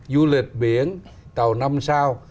du lịch biển tàu năm sao